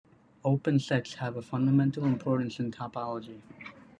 Open sets have a fundamental importance in topology.